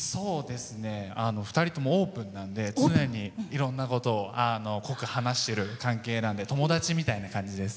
２人ともオープンなんで常にいろんなことを濃く話してる関係なんで友達みたいな感じです。